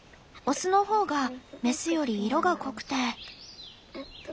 オスの方がメスより色が濃くて。